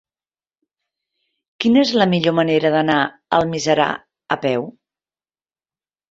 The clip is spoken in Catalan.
Quina és la millor manera d'anar a Almiserà a peu?